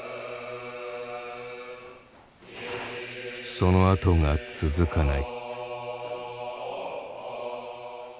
そのあとが続かない。